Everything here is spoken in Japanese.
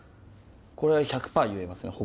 これは１００％言えますね